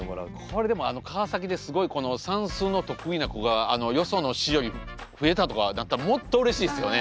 これでもあの川崎ですごいこの算数の得意な子がよその市よりも増えたとかだったらもっとうれしいですよね。